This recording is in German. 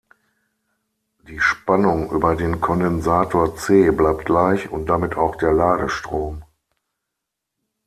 Die Spannung über den Kondensator "C" bleibt gleich und damit auch der Ladestrom.